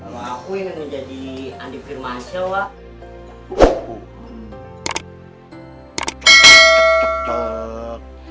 kalau aku ingin jadi andi firmansyah wak